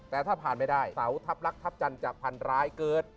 แต่ถ้าผ่านไม่ได้เสาทัพลักษ์จันทร์จากพันร้ายเกิด